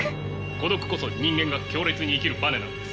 孤独こそ人間が強烈に生きるバネなのです。